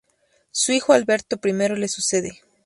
Su hijo Alberto I le sucede.